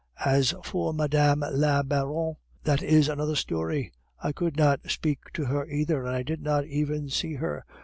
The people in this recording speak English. As for Madame la Baronne, that is another story! I could not speak to her either, and I did not even see her.